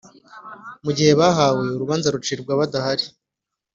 Mu gihe bahawe urubanza rucibwa badahari